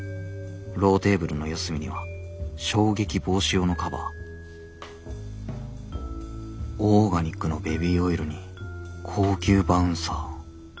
ローテーブルの四隅には衝撃防止用のカバーオーガニックのベビーオイルに高級バウンサー。